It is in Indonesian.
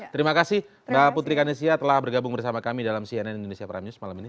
terima kasih mbak putri kanesia telah bergabung bersama kami dalam cnn indonesia prime news malam ini